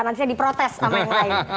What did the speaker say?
nanti saya diprotes sama yang lain